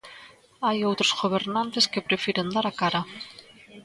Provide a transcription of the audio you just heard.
Hai outros gobernantes que prefiren dar a cara.